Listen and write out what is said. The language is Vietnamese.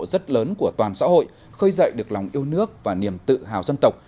rất lớn của toàn xã hội khơi dậy được lòng yêu nước và niềm tự hào dân tộc